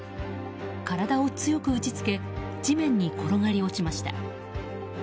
体を強く打ちつけ地面に転がり落ちました。